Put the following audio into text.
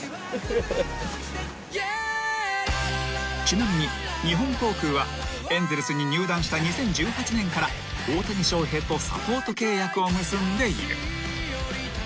［ちなみに日本航空はエンゼルスに入団した２０１８年から大谷翔平とサポート契約を結んでいる］